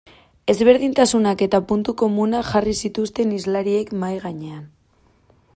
Ezberdintasunak eta puntu komunak jarri zituzten hizlariek mahai gainean.